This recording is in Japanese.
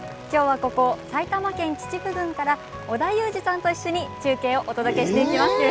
きょうはここ埼玉県秩父郡から織田裕二さんと一緒に中継をお届けしていきます。